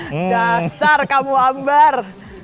dasar kamu amber